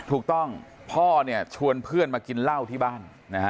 ถูกต้องพ่อเนี่ยชวนเพื่อนมากินเหล้าที่บ้านนะฮะ